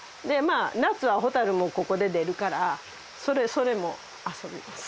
あ夏はホタルもここで出るからそれも遊びます。